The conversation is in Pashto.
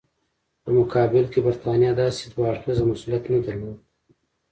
په مقابل کې برټانیې داسې دوه اړخیز مسولیت نه درلود.